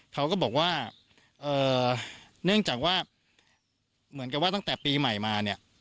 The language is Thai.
เขาก็บอกว่าเนื่องจากว่าเหมือนกับว่าตั้งแต่ปีใหม่มาเนี่ย